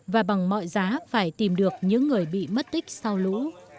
và bằng mọi giá phải tìm được những người bị mất tích sau lũ